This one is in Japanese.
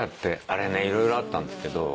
あれね色々あったんですけど。